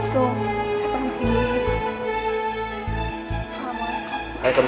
tuh saya tanggal disini